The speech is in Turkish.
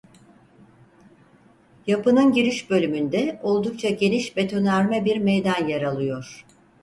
Yapının giriş bölümünde oldukça geniş betonarme bir meydan yer alıyor.